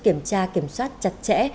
kiểm tra kiểm soát chặt chẽ